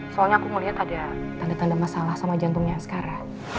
soalnya aku melihat ada tanda tanda masalah sama jantungnya sekarang